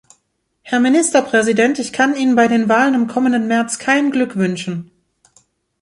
Herr Ministerpräsident, ich kann Ihnen bei den Wahlen im kommenden März kein Glück wünschen.